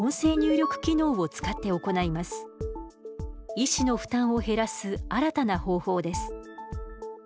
医師の負担を減らす新たな方法です。